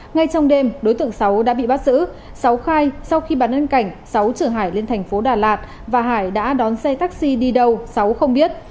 ngay trong đêm đối tượng sáu đã bị bắt giữ sáu khai sau khi bắn lên cảnh sáu chở hải lên thành phố đà lạt và hải đã đón xe taxi đi đâu sáu không biết